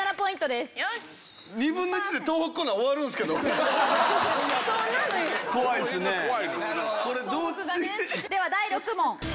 では第６問。